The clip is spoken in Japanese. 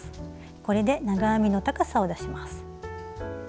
これで長編みの高さを出します。